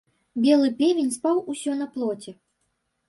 Белы певень спаў усё на плоце.